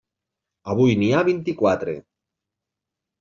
Avui n'hi ha vint-i-quatre.